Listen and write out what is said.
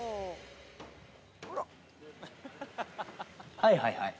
はいはいはい！